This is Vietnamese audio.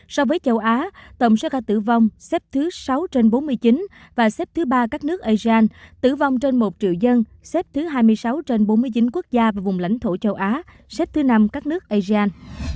so với châu á tổng số ca tử vong xếp thứ sáu trên bốn mươi chín và xếp thứ ba các nước asean tử vong trên một triệu dân xếp thứ hai mươi sáu trên bốn mươi chín quốc gia và vùng lãnh thổ châu á xếp thứ năm các nước asean